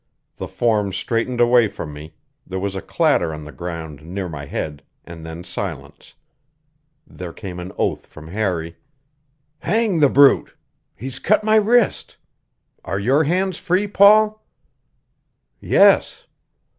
The form straightened away from me, there was a clatter on the ground near my head, and then silence. There came an oath from Harry: "Hang the brute! He's cut my wrist. Are your hands free, Paul?" "Yes."